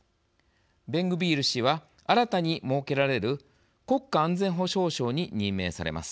ベングビール氏は新たに設けられる国家安全保障相に任命されます。